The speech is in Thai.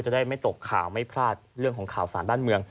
ได้ไม่ตกข่าวไม่พลาดเรื่องของข่าวสารบ้านเมือง